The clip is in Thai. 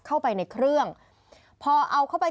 เข้าไปในเครื่องพอเอาเข้าไป